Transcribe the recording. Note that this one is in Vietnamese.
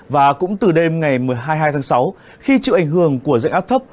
và cũng từ đêm ngày một mươi hai tháng sáu khi chịu ảnh hưởng của dạnh áp thấp